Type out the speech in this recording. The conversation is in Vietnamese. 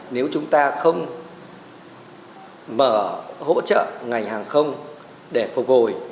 nếu chúng ta không mở hỗ trợ ngành hàng không để phục hồi